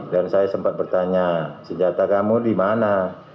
dan saya sempat bertanya senjata kamu di mana